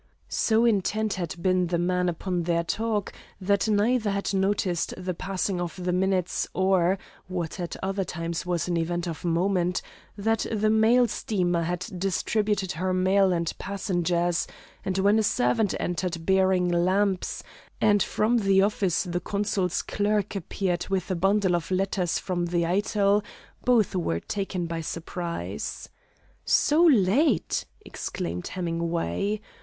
So intent had been the men upon their talk that neither had noted the passing of the minutes or, what at other times was an event of moment, that the mail steamer had distributed her mail and passengers; and when a servant entered bearing lamps, and from the office the consul's clerk appeared with a bundle of letters from the Eitel, both were taken by surprise. "So late?" exclaimed Hemingway.